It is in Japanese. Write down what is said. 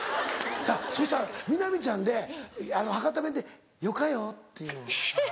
そしたら南ちゃんで博多弁で「よかよ」っていうのを。